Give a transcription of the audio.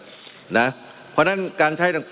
มันมีมาต่อเนื่องมีเหตุการณ์ที่ไม่เคยเกิดขึ้น